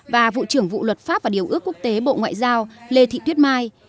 và vụ trưởng vụ luật pháp và điều ước quốc tế bộ ngoại giao lê thị tuyết mai